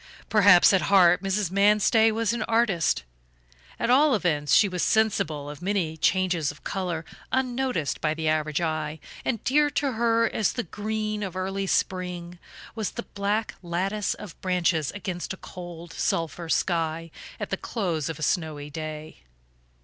Perhaps at heart Mrs. Manstey was an artist; at all events she was sensible of many changes of color unnoticed by the average eye, and dear to her as the green of early spring was the black lattice of branches against a cold sulphur sky at the close of a snowy day.